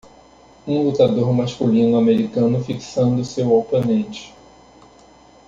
Um lutador masculino americano fixando seu oponente.